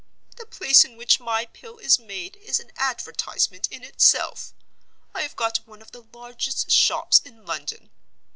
The place in which my Pill is made is an advertisement in itself. I have got one of the largest shops in London.